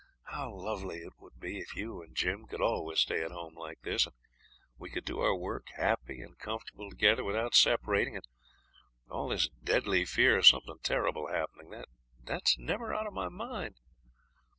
How lovely it would be if you and Jim could always stay at home like this, and we could do our work happy and comfortable together, without separating, and all this deadly fear of something terrible happening, that's never out of my mind.